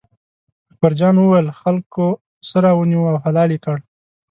اکبر جان وویل: خلکو پسه را ونیوه او حلال یې کړ.